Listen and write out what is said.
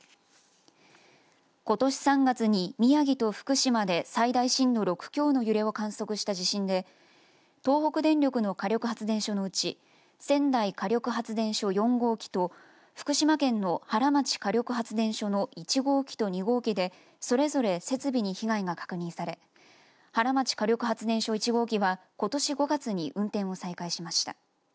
ことし３月に宮城と福島で最大震度６強の揺れを観測した地震で東北電力の火力発電所のうち仙台火力発電所４号機と福島県の原町火力発電所の１号機と２号機でそれぞれ設備に被害が確認され原町火力発電所１号機はことし５月に運転を再開しました。